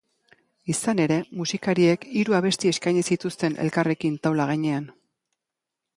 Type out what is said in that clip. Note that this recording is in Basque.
Izan ere, musikariek hiru abesti eskaini zituzten elkarrekin taula gainean.